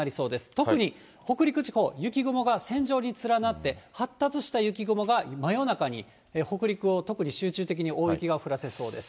特に北陸地方、雪雲が線状に連なって、発達した雪雲が真夜中に北陸を、特に集中的に大雪が降らせそうです。